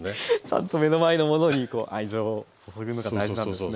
ちゃんと目の前のものに愛情を注ぐのが大事なんですね？